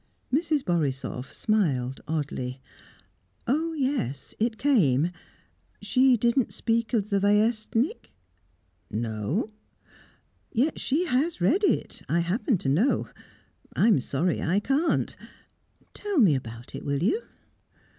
Mrs. Borisoff smiled oddly. "Oh yes; it came. She didn't speak of the Vyestnik?" "No." "Yet she has read it I happen to know. I'm sorry I can't. Tell me about it, will you?"